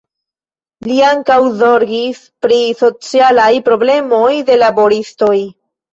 Li ankaŭ zorgis pri socialaj problemoj de laboristoj.